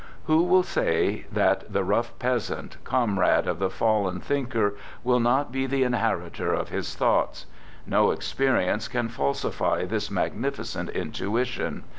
Who will say that the rough peasant, comrade of the fallen thinker, will not be the inheritor of his thoughts. No experience can falsify this magnifi cent intuition.